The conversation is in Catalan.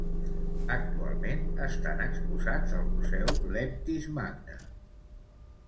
Actualment estan exposats al Museu Leptis Magna.